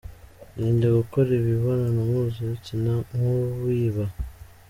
Irinde gukora imibonano mpuza bitsina nk’uwiba.